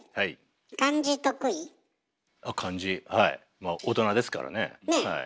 まあ大人ですからねはい。